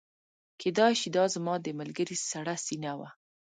کیدای شي دا زما د ملګري سړه سینه وه